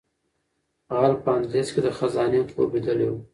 غل په اندلس کې د خزانې خوب لیدلی و.